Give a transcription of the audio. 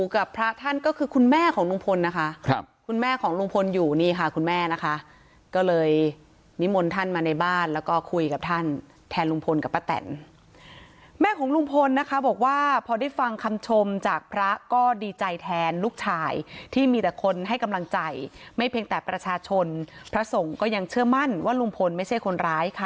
กับพระท่านก็คือคุณแม่ของลุงพลนะคะครับคุณแม่ของลุงพลอยู่นี่ค่ะคุณแม่นะคะก็เลยนิมนต์ท่านมาในบ้านแล้วก็คุยกับท่านแทนลุงพลกับป้าแตนแม่ของลุงพลนะคะบอกว่าพอได้ฟังคำชมจากพระก็ดีใจแทนลูกชายที่มีแต่คนให้กำลังใจไม่เพียงแต่ประชาชนพระสงฆ์ก็ยังเชื่อมั่นว่าลุงพลไม่ใช่คนร้ายค่ะ